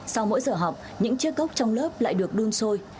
sau mỗi giờ học những chiếc cốc trong lớp lại được đun sôi